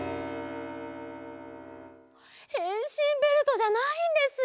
へんしんベルトじゃないんですよ。